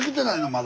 まだ。